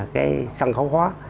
cái sân khấu hóa